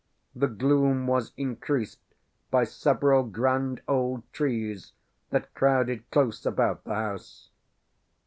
The gloom was increased by several grand old trees that crowded close about the house.